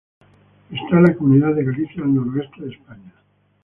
Está en la comunidad de Galicia, al noroeste de España.